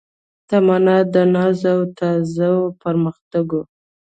تمنا د ناز او تاز و پرمختګ و